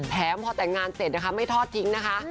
แถมพอแต่งงานเสร็จนะคะไม่ทอดทิ้งนะคะ